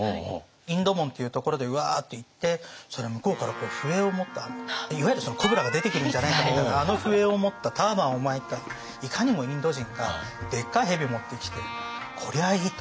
インド門っていうところでうわっと行ってそれで向こうから笛を持ったいわゆるそのコブラが出てくるんじゃないかというようなあの笛を持ったターバンを巻いたいかにもインド人がでっかい蛇を持ってきてこりゃあいいと。